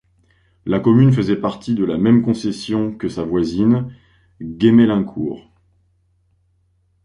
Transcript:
La commune faisait partie de la même concession que sa voisine Gemmelaincourt.